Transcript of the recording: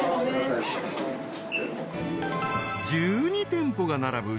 ［１２店舗が並ぶ］